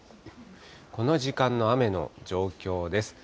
この時間の雨の状況です。